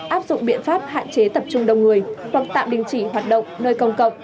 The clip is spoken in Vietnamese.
áp dụng biện pháp hạn chế tập trung đông người hoặc tạm đình chỉ hoạt động nơi công cộng